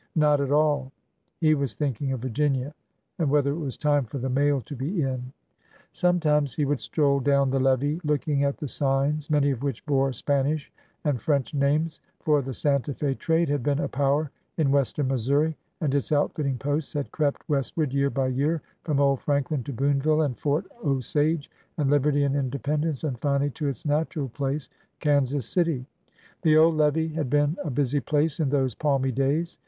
Not at all ! He was thinking of Virginia and whether it was time for the mail to be in. Sometimes he would stroll down the levee, looking at the signs, many of which bore Spanish and French names, for the Santa Fe trade had been a power in west ern Missouri, and its outfitting posts had crept westward year by year from Old Franklin to Booneville and Fort Osage and Liberty and Independence, and finally to its natural place — Kansas City. The old levee had been a busy place in those palmy days.